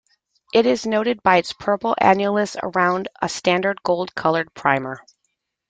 It is noted by its purple annulus around a standard gold-colored primer.